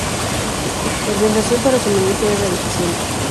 La organización para el suministro era deficiente.